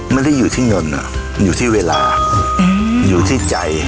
ไม่ได้อยู่ที่เงินอยู่ที่เวลาอยู่ที่ใจ